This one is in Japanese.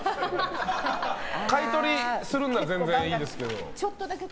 買い取りするんなら全然いいですけど。